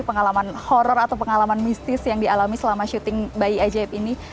pengalaman horror atau pengalaman mistis yang dialami selama syuting bayi ajaib ini